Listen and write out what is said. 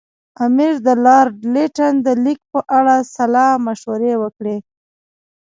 امیر د لارډ لیټن د لیک په اړه سلا مشورې وکړې.